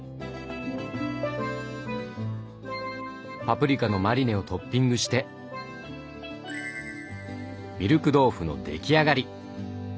パプリカのマリネをトッピングしてミルク豆腐の出来上がり。